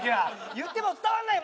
言っても伝わんないよ